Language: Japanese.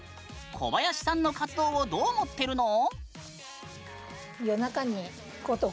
小林さんの活動をどう思っているの？